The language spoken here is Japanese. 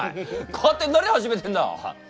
勝手に何始めてんだ！